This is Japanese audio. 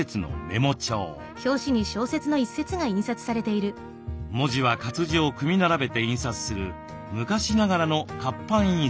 文字は活字を組み並べて印刷する昔ながらの活版印刷です。